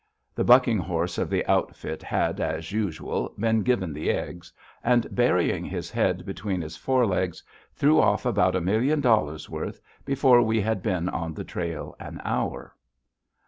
The bucking horse of the outfit had, as usual, been given the eggs, and, burying his head between his fore legs, threw off about a million dollars' worth before he had been on the trail an hour.